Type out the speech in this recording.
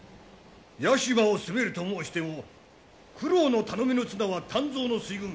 屋島を攻めると申しても九郎の頼みの綱は湛増の水軍。